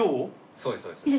そうですそうです。